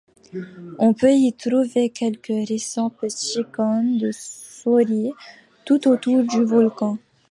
On peut y trouver quelques récents petits cônes de scories tout autour du volcan.